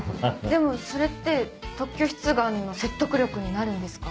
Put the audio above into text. でもそれって特許出願の説得力になるんですか？